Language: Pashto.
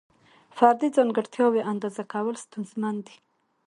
فردي ځانګړتیاوې اندازه کول ستونزمن دي.